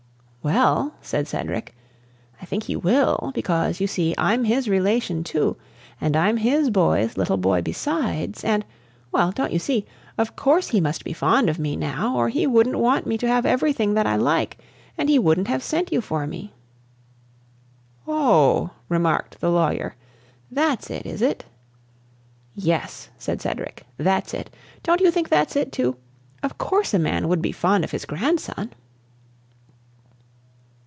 "Well," said Cedric, "I think he will, because, you see, I'm his relation, too, and I'm his boy's little boy besides, and, well, don't you see of course he must be fond of me now, or he wouldn't want me to have everything that I like, and he wouldn't have sent you for me." "Oh!" remarked the lawyer, "that's it, is it?" "Yes," said Cedric, "that's it. Don't you think that's it, too? Of course a man would be fond of his grandson."